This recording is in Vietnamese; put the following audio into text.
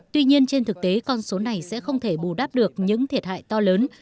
tuy nhiên trên thực tế con số này sẽ không thể bù đắp được những thiệt hại to lớn